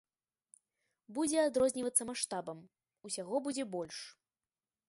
Будзе адрознівацца маштабам, усяго будзе больш.